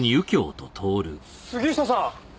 杉下さん！